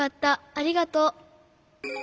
ありがとう。